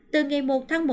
từ ngày một tháng một